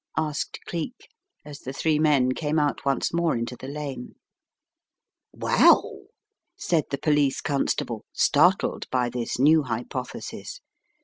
asked Cleek, as the three men came out once more into the lane. "Well!" said the police constable, startled by this new hypothesis.